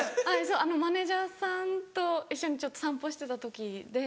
マネジャーさんと一緒にちょっと散歩してた時で。